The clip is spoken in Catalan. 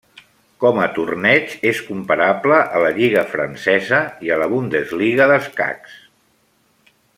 Com a torneig, és comparable a la lliga francesa i a la Bundesliga d'escacs.